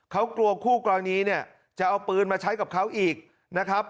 เขากลัวคู่กรณีเนี่ยจะเอาปืนมาใช้กับเขาอีกนะครับ